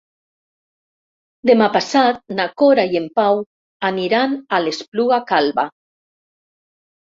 Demà passat na Cora i en Pau aniran a l'Espluga Calba.